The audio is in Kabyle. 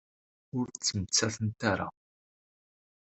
Ur ttmettatent ara.